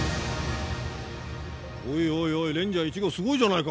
おいおいおいレンジャー１号すごいじゃないか。